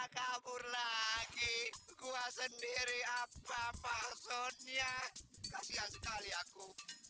kamu lagi gua sendiri apa apa sonia kasih sekali aku